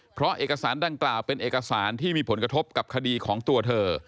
เพราะเอกสารดังกล่าวเป็นเอกสารที่มีผลกระทบกับคดีของตัวเธอ